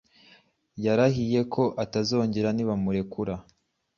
Yarahiye ko atazongera nibamurekura